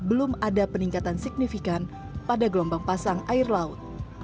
belum ada peningkatan signifikan pada gelombang pasang air laut